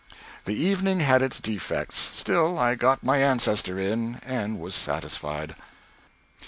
The evening had its defects; still, I got my ancestor in, and was satisfied.